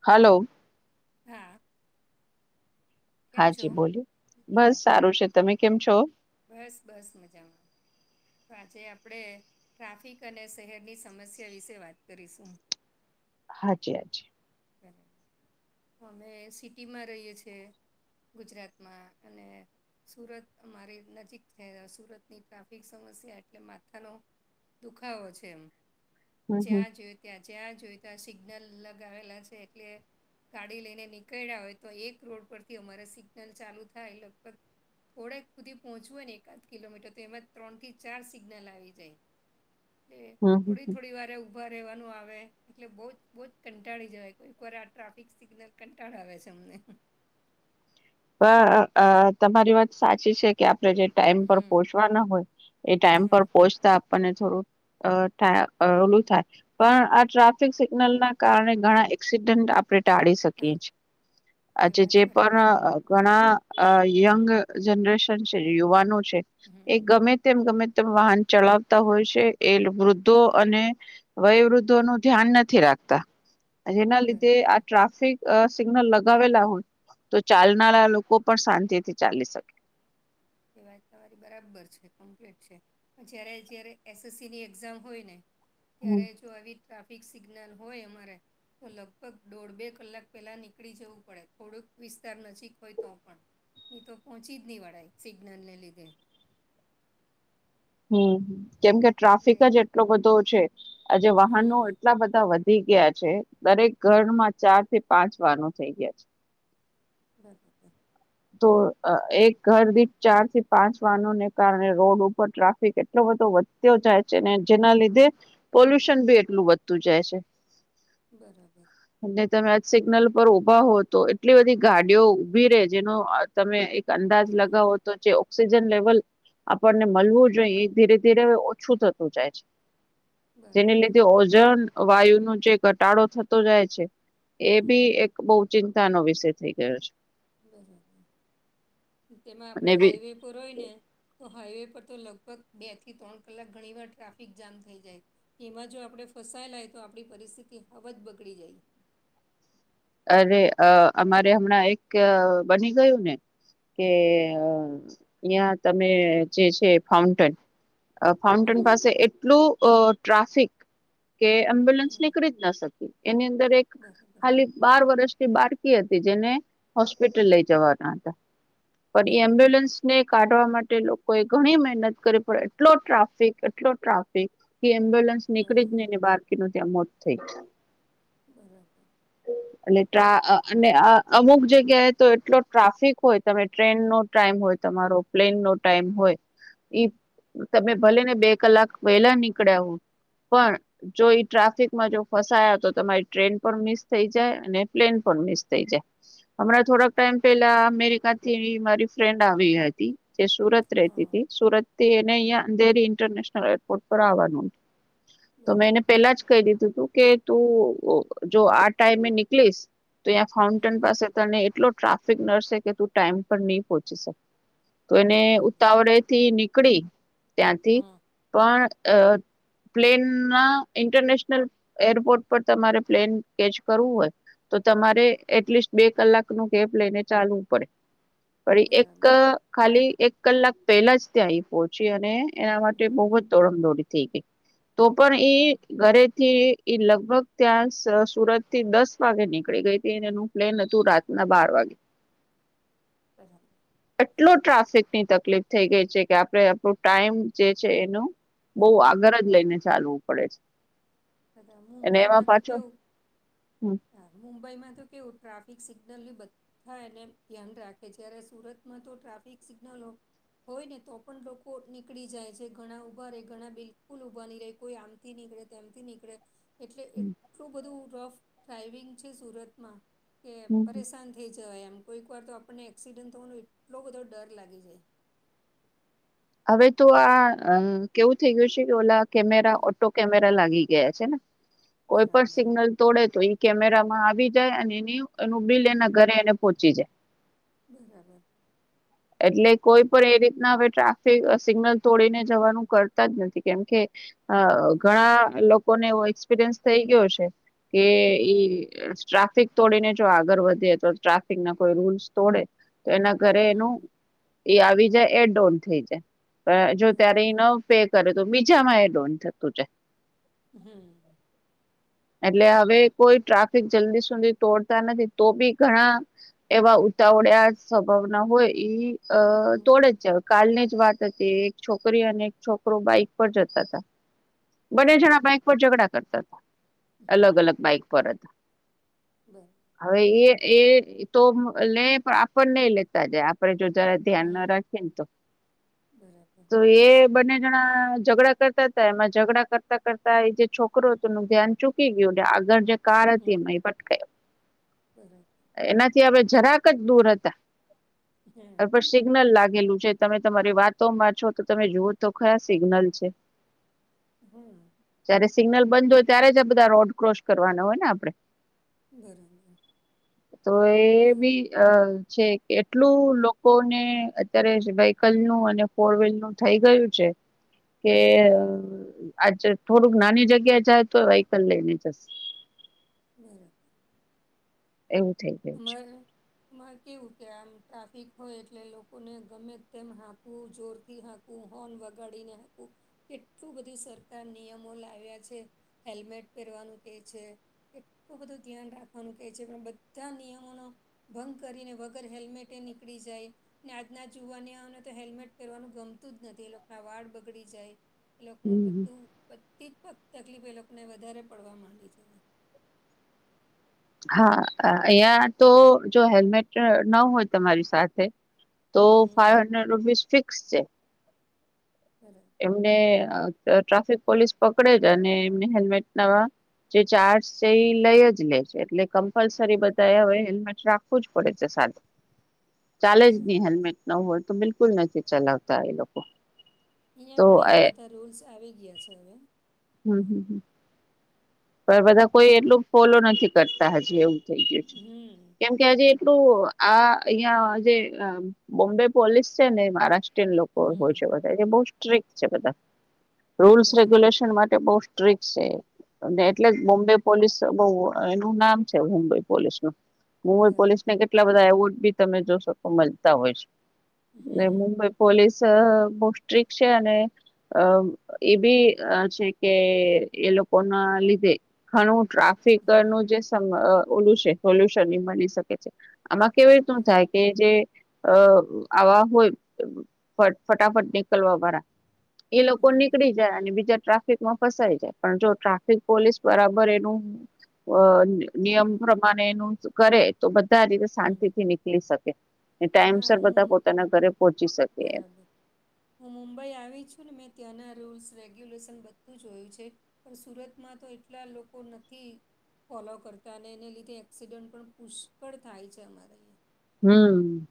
Hello હા કેમ હા છો જી બોલી બસ સારું છે તમે કેમ છો બસ બસ મજામાંમાં તો આજે આપણે ટ્રાફિક અને શહેરની સમસ્યા વિશે વાત કરીશું હાજી હાજી બરા અમે સિટીમાં રહીએ છીએ ગુજરાતમાં અને સુરત અમારી નજીક થ સુરતની ટ્રાફિક સમસ્યા એટલે માથાનો દુખાવો છે એમ હમ હમ જ્યાં જોઈ ત્યાં જ્યાં જોઈ ત્યાં સિગ્નલ લગાવેલા એટલે ગાડી લઈને નીકળ્યા હોય તો એક રોડ પરથી અમારે સિગ્નલ ચાલુ થાય લગભગ થોડક ખુદીી પહોંચવ હોય ને એકાદ કિલોમીટર તો એમાં ત્રણથી ચાર સિગ્નલ આવી જાય [inaudible] એ હમ થોડી હમ થોડી વારે ઉઊભા રહેવાનું આવે એટલે બહુ જ બહુ જ કંટાળી જાય કોઈક વાર આ ટ્રાફિક સિગ્નલ કંટાળો આવે છે અમને બ તમારી વાત સાચી છે કે આ પ્રોજેક્ટ ટાઈમ પર હમ પોહચવા ના હોય એ ટાઈમ પર હમ પોહચતા આપણને થોડું અ થાય અ ઓલું થાય. પણ આ ટ્રાફિક સિગ્નલ ના કારણે ઘણા એક્સિડન્ટ આપ આપણે ટાળી હા શકીએ એ આજ વાત જે બરાબર પણ છે હમ ઘણા યંગ જનરેશન છે, યુવાનો છે, એ હમ ગમે તેમ ગમે તેમ વાહન ચલાવતા હોય છે એ વૃદ્ધો અને વયવૃદ્ધો નું ધ્યાન નથી રાખતા. જેના લીધે બરાબર આ ટ્રાફિક સિગ્નલ લગાવેલા હોય તો ચા ના હમ લોકો પણ શાંતિ થી ચાલી શકે. એ વાત તમારી બરાબર છે, કમ્પ્લીટ છે. જય્યારે જયારે એસએસસી ની એક્ઝામ હોય ને ત્યારે જ, જો આવી ટ્રાફિક સિગ્નલ હોય અમારે તો લગભગ દોઢ બે કલાક પેલા નીકળી જવું પડે થોડુંક વિસ્તાર નજીક હોય તો પણ એ તો પહોંચી જ નહી વળાય એક સિગ્નલ ને લીધે. હમ કેમકે એટલે ટ્રાફિક જ એટલો બધો છે આજે વાહનો હમ એટલા બધા વધ થઈ ગયા છે દરેક ઘરમાં ચાર થી પાંચ વાનો થઇ ગયા છે. બરાબર તો એક ઘર દીઠ ચાર થી પાંચ વાનોને કારણે રોડ ઉપર ટ્રાફ કેટલો બધો વધતો જાય છે. ને જેના લીધે, પોલ્યુશન ભી એટલું વધતું જાય છે. બરાબર. અને તમે આજ સિગ્નલ પર ઉભા હો તો, એટલી બધી ગાડીઓ ઉભી રે. જેનો તમે એક અંદાજ હમ લગાવો તો, જે ઓક્સિજન લેવલ આપણને મળવું, જો એ ધીરે ધીરે ઓછું થતું જાય છે. જેને બરાબર લીધે ઓઝન વાયુનો જે ઘટાડો થતો જાય છે. એ બી હમ એક બહુ ચિંતાનો વિષય થઈ ગયો છે. બરાબર. તેમાં આપડે અને બી હાઈવે પર હોય ને તો હાઈવે પર તો લગભગ બે થી ત્રણ કલાક ઘણી વાર ટ્રાફિક જામ થઈ જાય. એમાં જો આપડે ફસાયેલા હોય તો આપડી પરિસ્થિતિ હાવ જ બગડી જાય. અરે! અ અમારે હમણાં એક બની ગયું ને.? કે, અહીંયા તમે જે છે ફાઉન્ટન. અ ફાઉન્ટેન હા પાસે એટલું ટ્રાફિક કે એમ્બ્યુલન્સ હમ, નીકળી જ ન શકી. એની અંદર એક બરાબર ખાલી બાર વર્ષથી બાળકી હતી જેને હોસ્પિટલ લઈ જવાના હતા. પણ એ બરાબર એમ્બ્યુલન્સ, ને કાઢવા માટે લોકોએ ઘણી મહેનત કરી. પડ એટલો ટ્રાફિક એટલો ટ્રાફિક. કે એમ્બ્યુલન્સ નીકળી જ બરાબર નહીને, બાળકીનું ત્યાં મોત થઈ ગ્યું. બરાબર. ! એટ ટા અને અમુક જગ્યાએ તો એટલો ટ્રાફિક હોય. તમે ટ્રેન નો ટાઈમ હોય તમારો પ્લેન નો ટાઈમ હોય. ઈ તમે હમ, ભલે ને બે કલાક વહેલા નીકળ્યા હોવ, પણ જો ઈ ટ્રાફિકમાં જો ફસાયા તો તમારી ટ્રેન પણ મિસ, થઇ જાય અને પ્લેન પણ મિસ થઇ જાય. હમણાં થોડાક ટાઈમ પેહલા અમેરિકાથી મારી ફ્રેન્ડ આવી હતી. જે સુરત રતી હા હતી. સુરત થી એને અહીંયા અંધેરી ઇન્ટરનેશનલ એરપોર્ટ પર આવવાનું. તો મેં એને બરાબર પેલા જ કહી દીધું તું કે, તું જો આ ટાઈમે નીકળીશ. તો ત્યાં ફાઉન્ટેન હમ પાસે તને એટલો ટ્રાફિક નડશે કે, તું ટાઈમ પર નહી પહોંચી શકે. તો એને બરાબર ઉતાવળેથી નીકળી ત્યાંથી. હા પણ અ પ્લેન ના ઇન્ટરનેશનલ એરપોર્ટ પર તમારે પ્લેન કેચ કરવું હોય. તો તમારે એટલીસ્ટ બે કલાક નું કેપ લઈને ચાલવું પડે. પડ એક, બરાબર ખાલી એક કલાક પહેલા જ ત્યા આઈ પહોંચી અને એના માટે બહુ હમ જ દોડમ દોડી થઈ ગઈ. તો પણ એ બરાબર ઘરેથી ઈ લગભગ ત્યાં સ સુરત થી દસ વાગે નીકળી ગઈ હતી. અને એનું પ્લેન હતું રાતના બાર વાગે. બરાબર. એટલો ટ્રાફિકની તકલીફ થઈ ગઈ છે કે, આપડે આપણું ટાઈમ જે છે એનું બઉ હમ આગળ જ લઈને ચાલવું પડે છે. તા ત અને એમાં મુંબઈમાં તો પાછો કેવુંક હમ, હા. મુંબઈમાં તો કેવું ટ્રાફિક સિગ્નલ ની બધ થાય એને ધ્યાન રાખે. જ્યારે સુરતમાં તો ટ્રાફિક સિગ્નલો હોય ને તો પણ લોકો નીકળી જાય છે. ઘણા ઉભા રહે, ઘણા બિલકુલ ઊભા નહી રહે. કોઈ આમ થી નીકળે તેમથી નીક એટલે હમ, એટલું બધું રફ ડ્રાઈવિંગ છે સુરતમાં. કે હમ, હમ. પરેશાન થઈ જાવાય એમ. કોઈક વાર તો આપણને એક્સિડન્ટ થવાનો એટલો બધો ડર લાગી જાય. હવે તો આ કેવું થઈ ગયું છે કે, ઓલા કેમેરા, હમ, ઓટો કેમેરા લાગી ગયા છે ને. કોઈ પણ બરાબર સિગ્નલ તોડે તો ઈ કેમેરામાં આવી જાય અને એની અનું બિલ હમ એના ઘરે એને પહોંચી જાય. બરાબર. એટલે કોઈ પણ એ રીતના હવે ટ્રફ સિગ્નલ તોડીને જવાનું કરતા જ નથી કેમકે હમ ઘણા લોકો ને એવો એક્સપિરયન્સ થઈ ગયો છે કે હમ ટ્રાફિક તોડીને જો આગળ વધીએ તો ટ્રાફિક ના કોઈ રૂલ્સ તોડે તો એના ઘરે એનું હમ એ આવી જાય એ ડોન થઈ જાય જો ત્યારે એ બરાબર ફેક કરે તો બીજા માં એ ડોન થતું જ હમ એટલે હવે કોઈ ટ્રાફિક જલ્દી સુધી તોડતા નથી તો બી ઘણા એવા ઉતાવળ્યા સ્વભાવના હોય અ તોડે હમ જ જ કાલને વાત હતી એક છોકરી અને એક છોકરો બાઈક પર જતા હતા બંને બરાબર જણા બાક ઉપ ઝઘડા કરતા અલગ અલગ બાઈક પરત બર હવે એ એ તોફણ નહી લેતા જાય આપડે જો જરા ધ્યાન ન હમ રાખે ને તો બરાબર તો એ બંને જણા ઝઘડા કરતા હતા એમાં ઝઘડા કરતા કરતા એ જે છોકરી છોકરો ત ન ધ્યાન ચૂકી ગયો આગળ જે કાર હમ હતી ભટક બરાબર એનાથી હવે જરાક જ દૂર હતા હમ હવે પણ સિગ્નલ લાગેલું છે તમે તમારી વાતોમાં છો તો તમે જુઓ તો કયા સિગ્નલ છે. હમ જયારે સિગ્નલ બંધ હોય ત્યારે જ આ બધા રોડ ક્રોસ કરવાના હોય ને આપડે બરાબર તો એ હમ બી છે કેટલું લોકો ને અત્યારે વ્હકલ નું અને ફોર વ્હીલ નું થઈ ગયું છે. કે હમ આજ થોડુંક નાની જગ્યા જાય તો વહીકલ લઈને જસ બરાબર એવું થઈ ગયું છે [unintelligible] માં કેવું કે આમ ટ્રાફિક હોય એટલે લોકોને ગમે તેમ હાંકવું જોરથી હાક કુંહોન વગડીને કેટલું બધું સરકાર નિયમો લાવ્યા છે હેલ્મેટ પહેરવાનું કે છે. કેટલું બધું ધ્યાન રાખવાનું કેહે છે પણ બધા નિયમોનો ભંગ કરીને વગર હેલ્મેટે નીકળી જાય. ને આજના જોવાની આવ ને તો હેલ્મેટ પહેરવાનું ગમતું જ નથી એ લોકો ના વાળ બગડી જાય. એ લોકોનું બધું બધી જ ફક્ત તકલીફ એ લોકોને વધારે પડવા માંડી છે. હા અહિયાં તો જો હેલ્મેટ ન હોય તમારી સાથે તો હમ ફાઇવ હન્ડ્રેડ રૂપીઝ ફિક્સ છે. બરા. એમને અ ટ્રાફિક પોલીસ પકડે જ અને એમને હેલ્મેટ નાવા જે ચાર્જ છે એ લઈ જ લે છે એટલે. કમ્પલસરી બધા હવે હેલ્મેટ રાખવું જ પડે છે સાથ ચાલે જ બરાબર નહી બરાબર હેલ્મેટ. ન હોય તો બિલકુલ નથી ચલાવતા એ લોકો અહીંયા તો પણ એવા બધા રૂલ્સ આવી ગયા છે હવે. હમ હમ. પણ બધા કોઈ એટલું ફોલો નથી કરતા હજી એવું થઈ ગયું છે હમ કેમ. કે આજે એટલું આ અહિયાં જે અ બોમ્બે પોલીસ છે ને મહારાષ્ટ્રીયન લોક બઉ હોય હમ છે વઘારે બઉ સ્ટ્રિક છે બધા રૂલ્સ બરાબર રેગ્યુલેશન માટે બઉ. સિ્ટક છે અમને એટલે હમ બોમ્બે. પોલીસ બઉ એનું નામ છે મુંબઈ પોલીસ નું મુંબઈ પોલીસ બરાબર ને કે. એટલા બધા એવોર્ડ બી તમે જોશો મળતા હોય છે ને હમ મુંબઈ. પોલીસ અ બઉ સ્ટિક છે અને. અ એ બી અ છે કે એ લોક. ઓના લીધે ઘણું ટ્રાફિક હમ નું જે. સમ ઓલુ સે સોલ્યુશન મલી શકે છે આમાં કેવી રીતનું થાય બરાબર કે જે. અ આવા હોય ફટ ફટાફટ નીકલવા વાળા. એ લોકો હમ નીકળી જાય અને બીજા ટ્રાફિક માં ફસાય જાય પણ જો. ટ્રાફિક પોલીસ બરાબર એનું અ નિયમ હમ પ્રમાણે એનું કરે. તો બધા આ રીતે શાંતિ હમ થી નીકળી શકે ટાઈમસ ના હું બધા મું- પોતાના ઘરે પહોંચી શકે એમ. બરાબર. હું મુંબઈ આવી છું ને મેં ત્યાંના રૂલ્સ રેગ્યુલેશન બધું જોયું છે. પણ સુરતમાં તો એટલા લોકો નથી ફોલો કરતા અને એને લીધે એક્સિડન્ટ પણ પુષ્કળ થાય છે અમારે અહીંયા. હમ.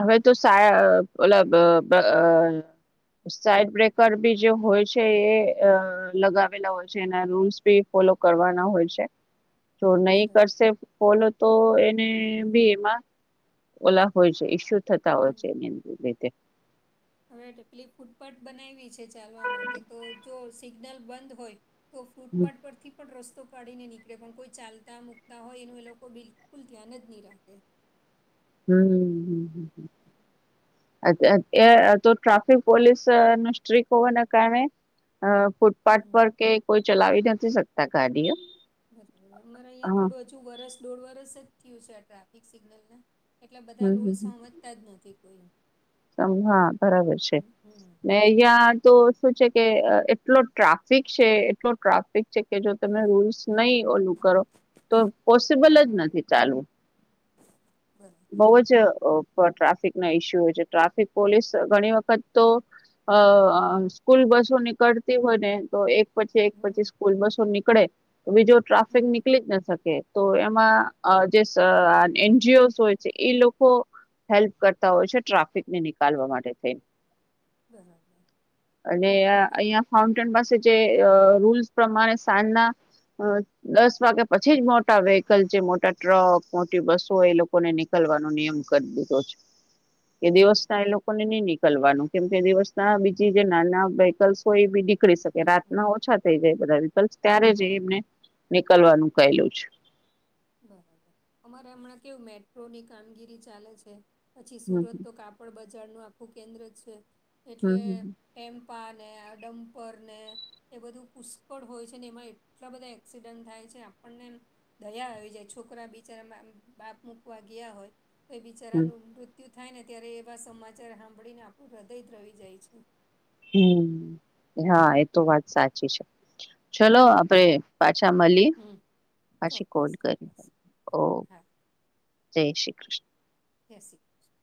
હવે તો સા ઓલા બ બ. સાઈડ બ્રેકર બી જે હોય છે એ અ લગાવેલા હોય છે એના રૂલ્સ બે ફોલો કરવાના હોય છે. [unintelligible] જો નહી બરાબર કરશે ફોલો તો એને હમ ભી એમાં ઓલા હોય છે ઈસ્યુ થતા હોય હમ છે એની લીઘે. હવે એટલી ફૂટપાથ બનાવી છે ચાલવા માટે તો જો સિગ્નલ બંધ હોય. તો ફ્રૂટપાટ પર થી. પણ રસ્તો કાઢી ને નીકળે પણ કોઈ ચાલતા મુૂકતા હોય એનું એ લોકો બિલકુલ ધ્યાન જ નહી રાખે. હમ હમ. એ તો ટ્રાફિક પોલીસ નો સ્ટ્રીક હોવાના કારણે અ ફૂટપાથ હમ પર કે કોઈ ચલાવી નથી શકતા ગાડીઓ બરાબર અમારે અહીંયા હા થોડું હજુ વરસ દોઢ વરસ જ થયું છે આ ટ્રાફિક સિગ્નલ ને. એટલે બધા હમ હમ રૂલ્સ હમ. સમજતા જ નથી કોઈ. હા બરાબર છે. હમ ત્યાં તો શું છે કે અ એટલો ટ્રાફિક છે એટલો ટ્રાફિક છે. કે જો તમે હમ રૂલ્સ નહી ઓલું કરો તો પોસિબલ જ હા નથી ચાલુ. બરાબર બઉ જ ટ્રાફિક ના ઇસ્યુ હોય છે ટ્રાફિક પોલીસ ઘણી વખત તો અ સ્કૂલ બસો નીકળતી હોય ને તો એક પછી એક પછી હમ સ્કૂલ બસો નીકળે તો બીજો ટ્રાફિક હમ નીકળી જ ના શકે તો એમાં જે એનજીઓ હોય એ લોકો હેલ્પ કરતા હોય છે ટ્રાફિક ને નિકાલવા માટે. બરાબર અને અહીિયાં ફાઉન્ટેન પાસે જે રૂલ પ્રમાણે સાજ ના હ દસ વાગ્યા પછી જ મોટા વેહકલ છે મોટા ટ્રક મોટી બસો એ લોકોને નીક લવાનો નિયમ કરી દીધો છે કે દિવસ બરાબર ના એ લોકો ને નહી નીકળવાનું કેમ કે દિવસ ના બીજી જે નાના વેહિકલસ હોય નીકળી શકે હમ રાતના ઓછા થઈ જાય બધા વેહિકલસ ત્યારે જ એમને નીકળવાનું કહેલું છે. બરાબર અમારે હમણાં કેવું મેટ્રોની કામગીરી ચાલે છે પછી હમ સુરત તો કા પડ બજારનું આખું કેન્દ્ર છે એટલે હમ ટેમ્પા ને આ ડમ્પર ને એ બધું પુષ્કળ હોય છે ને એમાં એટલા બધા એક્સિડન્ટ થાય છે આપણને દયા આવી જાય છોકરા બિચારા બાપ મુકવા ગયા હોય તો એ હમ બિચારાનું મૃત્યુ થાય ને ત્યારે એવા સમાચાર સાંભળીને આપણું હૃદય દ્રવી જાય છે. હા એ હમ તો વાત સાચી છે. ચલો આપડે પાછા મલીએ હમ, પછી કોલ ચોક્કસ ચોક્કસ કરીએ ઓ હા જય જય શ્રી કૃષ્ણ જય શ્રી કૃષ્ણ.